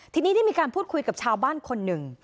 ทีนี้ได้มีการพูดคุยกับชาวบ้านคนหนึ่ง